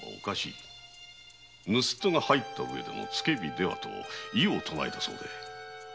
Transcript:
「盗っ人が入ったうえでの付け火」ではと異を唱えたそうで。